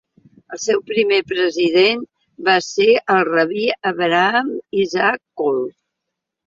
El seu primer president va ser el rabí Abraham Isaac Kook.